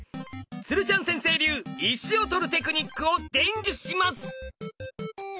鶴ちゃん先生流石を取るテクニックを伝授します！